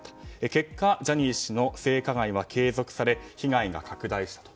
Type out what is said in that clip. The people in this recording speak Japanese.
結果ジャニー氏の性加害は継続され被害が拡大した。